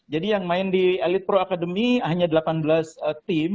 jadi yang main di elite pro academy hanya delapan belas tim